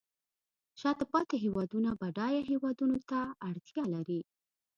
شاته پاتې هیوادونه بډایه هیوادونو ته اړتیا لري